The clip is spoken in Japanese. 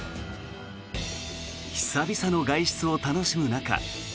久々の外出を楽しむ中